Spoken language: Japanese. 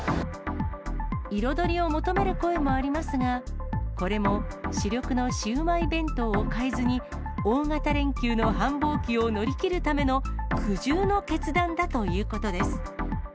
彩りを求める声もありますが、これも主力のシウマイ弁当を変えずに、大型連休の繁忙期を乗り切るための苦渋の決断だということです。